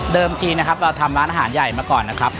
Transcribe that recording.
ทีนะครับเราทำร้านอาหารใหญ่มาก่อนนะครับ